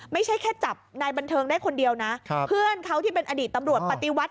ไม่ใช่แค่จับนายบันเทิงได้คนเดียวนะเพื่อนเขาที่เป็นอดีตตำรวจปฏิวัติ